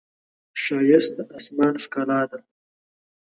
ښایست د آسمان ښکلا ده